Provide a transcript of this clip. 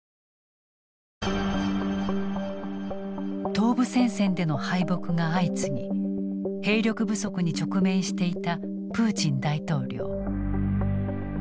東部戦線での敗北が相次ぎ兵力不足に直面していたプーチン大統領。